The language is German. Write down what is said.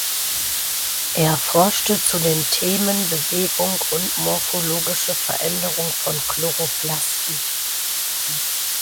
Er forschte zu den Themen Bewegung und morphologische Veränderungen von Chloroplasten.